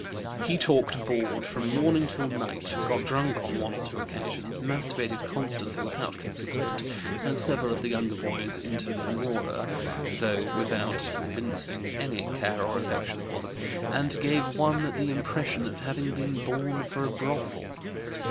He talked bawd from morning till night, got drunk on one or two occasions, masturbated constantly without concealment, had several of the younger boys inter femora, though without evincing any care or affection for them, and gave one the impression of having been born for a brothel.